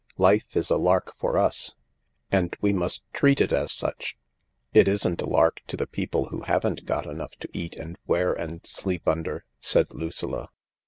Life is a lark for us, and we must treat it as such." " It isn't a lark to the people who haven't got enough to eat and wear and sleep under," said Lucilla.